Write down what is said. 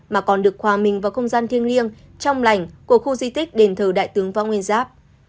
mà còn được hòa mình vào không gian thiêng liêng trong lành của khu di tích đền thờ đại tướng võ nguyên giáp